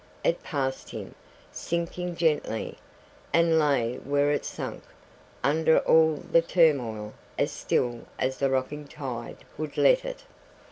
It passed him, sinking gently, and lay where it sank, under all the turmoil, as still as the rocking tide would let it.